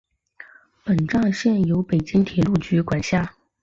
本站现由北京铁路局管辖。